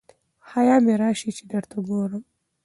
حیا مي راسي چي درته ګورم